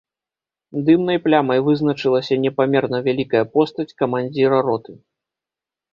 Дымнай плямай вызначылася непамерна вялікая постаць камандзіра роты.